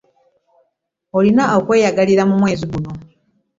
Olina okweyagalira mu mwezi guno.